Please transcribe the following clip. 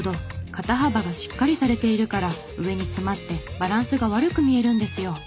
肩幅がしっかりされているから上に詰まってバランスが悪く見えるんですよ」